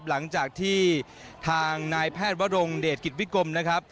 หลังจากที่ทางนายแพทย์วฮเดรตกิจวิกรม